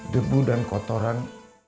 debu dan kotoran